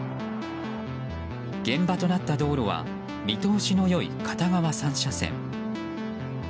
現場となった道路は見通しの良い片側３車線。